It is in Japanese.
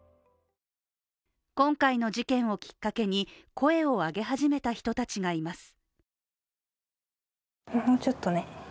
今回の事件をきっかけに声を上げ始めた人たちがいます。